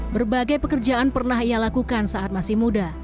berbagai pekerjaan pernah ia lakukan saat masih muda